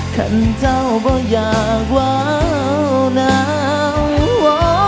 ท่านเจ้าบ่อยากว้าวน้ำ